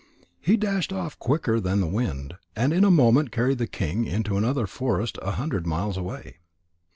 He dashed off quicker than the wind, and in a moment carried the king into another forest a hundred miles away.